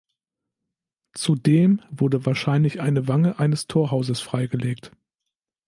Zudem wurde wahrscheinlich eine Wange eines Torhauses freigelegt.